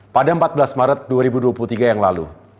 pada empat belas maret dua ribu dua puluh tiga yang lalu